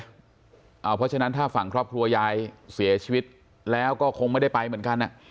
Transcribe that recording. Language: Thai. เพราะฉะนั้นถ้าฝั่งครอบครัวยายเสียชีวิตแล้วก็คงไม่ได้ไปเหมือนกัน